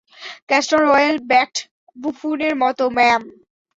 Castor oil baked বুফুনের মতো, ma'am.